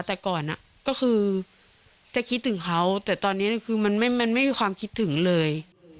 แต่ก่อนก็คือจะคิดถึงเขาแต่ตอนนี้คือมันไม่มีความคิดถึงเลย